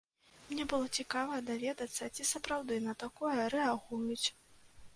Мне было цікава даведацца, ці сапраўды на такое рэагуюць.